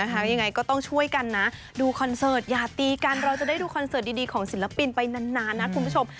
ยังไงก็ต้องช่วยกันนะดูคอนเสิร์ตอย่าตีกันเราจะได้ดูคอนเสิร์ตดีของศิลปินไปนานนะคุณผู้ชม